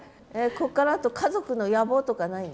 こっからあと家族の野望とかないんですか？